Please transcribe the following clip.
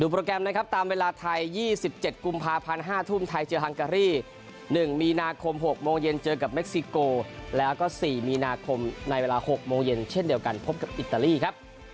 โปรแกรมนะครับตามเวลาไทย๒๗กุมภาพันธ์๕ทุ่มไทยเจอฮังการี๑มีนาคม๖โมงเย็นเจอกับเม็กซิโกแล้วก็๔มีนาคมในเวลา๖โมงเย็นเช่นเดียวกันพบกับอิตาลีครับ